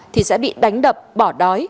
thì sẽ bị đánh đập bỏ đói